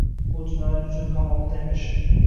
U jinoyat uchun qamoqda emish.